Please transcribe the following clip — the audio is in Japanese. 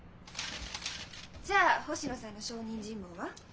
じゃあ星野さんの証人尋問は？